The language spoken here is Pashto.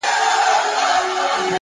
هره ورځ د اغېز نوې صحنه ده؛